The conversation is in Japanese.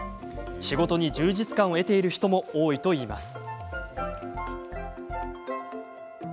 仕事に充実感を得ている人も多いといいます。